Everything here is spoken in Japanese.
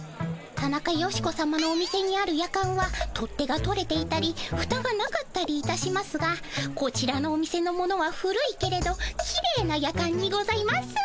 タナカヨシコさまのお店にあるヤカンは取っ手が取れていたりふたがなかったりいたしますがこちらのお店のものは古いけれどきれいなヤカンにございます。